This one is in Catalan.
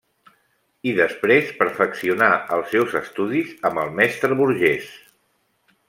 I després perfeccionà els seus estudis amb el mestre Burgés.